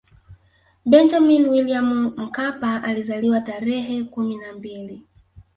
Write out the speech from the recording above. benjamini william mkapa alizaliwa tarehe kumi na mbili